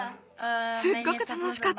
すっごくたのしかった。